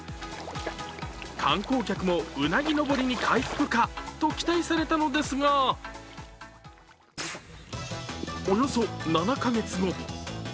観光客もうなぎ登りに回復かと期待されたんですがおよそ７か月後。